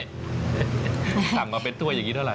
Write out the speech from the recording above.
สั่งมาเป็นถ้วยอย่างนี้เท่าไ